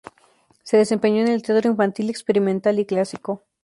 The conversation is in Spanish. Se desempeño en el teatro infantil, experimental y clásico.